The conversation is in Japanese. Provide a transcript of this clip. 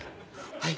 はい。